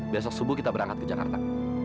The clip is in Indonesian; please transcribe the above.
besok subuh kita berangkat ke jakarta